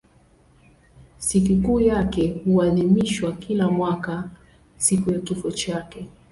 Sikukuu yake huadhimishwa kila mwaka siku ya kifo chake.